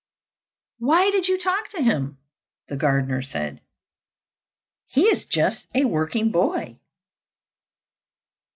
"Why did you talk to him?" the gardener said. "He is just a working boy."